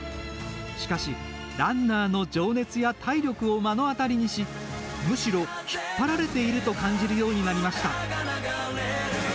しかし、ランナーの情熱や体力を目の当たりにし、むしろ引っ張られていると感じるようになりました。